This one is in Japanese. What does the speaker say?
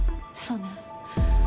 そうね。